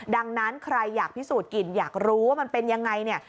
ดังนั้นใครอยากพิสูจน์กลิ่นอยากรู้ว่ามันเป็นยังไงเนี่ย